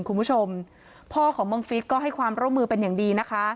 คุณผู้ชมพ่อของบังฟิศก็ให้ความร่วมมือเป็นอย่างดีนะคะ